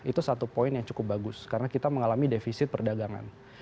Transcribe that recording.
itu satu poin yang cukup bagus karena kita mengalami defisit perdagangan